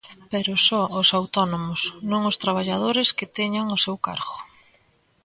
Pero só os autónomos, non os traballadores que teñan ao seu cargo.